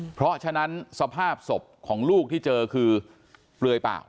เพราะฉะนั้นสภาพศพของลูกที่เจอคือเปลือยเปล่า